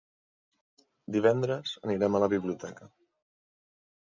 Divendres anirem a la biblioteca.